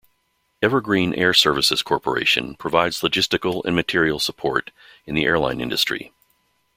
Evergreen Air Services Corporation provides logistical and material support in the airline industry.